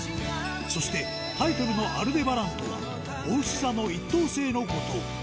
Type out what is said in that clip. そして、タイトルのアルデバランとは、おうし座の一等星のこと。